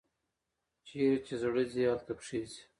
چیري چي زړه ځي، هلته پښې ځي.